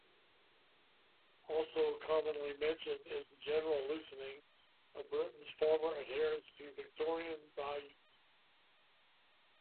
Also commonly mentioned is the general loosening of Britain's former adherence to Victorian values.